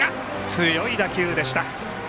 強い打球でした。